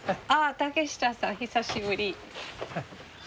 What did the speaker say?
竹下さん久しぶり。